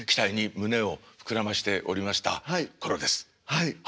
はい。